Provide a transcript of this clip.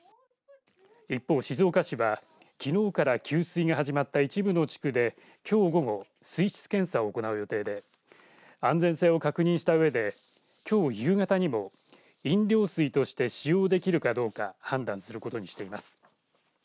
一方、静岡市はきのうから給水が始まった一部の地区できょう午後、水質検査を行う予定で安全性を確認したうえできょう夕方にも飲料水として使用できるかどうか判断することにしています。